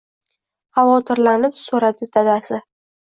Xavotirlanib so‘radi dadasi